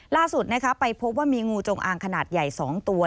ล่าสุดไปพบว่ามีงูจงอางขนาดใหญ่๒ตัว